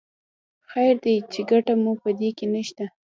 خیر دی چې ګټه مو په کې نه شته.